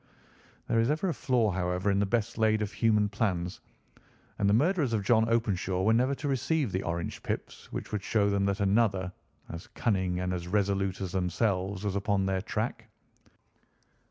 There is ever a flaw, however, in the best laid of human plans, and the murderers of John Openshaw were never to receive the orange pips which would show them that another, as cunning and as resolute as themselves, was upon their track.